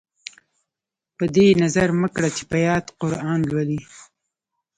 په دې یې نظر مه کړه چې په یاد قران لولي.